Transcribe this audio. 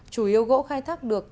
chủ yếu gỗ khai thác được